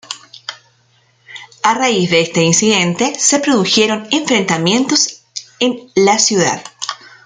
A raíz de este incidente se produjeron enfrentamientos en al ciudad.